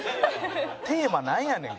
テーマなんやねん？